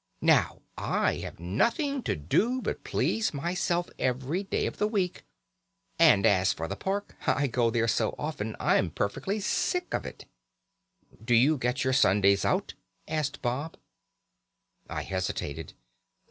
Now, I have nothing to do but to please myself every day in the week, and as for the park, I go there so often I'm perfectly sick of it.' "'Do you get your Sundays out?' asked Bob. "I hesitated.